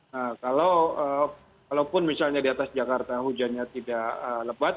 nah kalaupun misalnya di atas jakarta hujannya tidak lebat